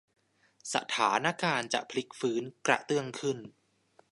สถานการณ์จะพลิกฟื้นกระเตื้องขึ้น